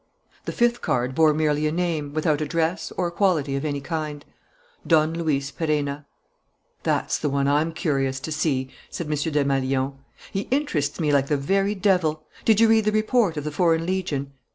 The fifth card bore merely a name, without address or quality of any kind DON LUIS PERENNA "That's the one I'm curious to see!" said M. Desmalions. "He interests me like the very devil! Did you read the report of the Foreign Legion?"